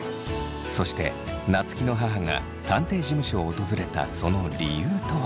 そして夏樹の母が探偵事務所を訪れたその理由とは。